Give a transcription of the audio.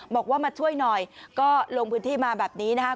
บอกว่ามาช่วยหน่อยก็ลงพื้นที่มาแบบนี้นะคะ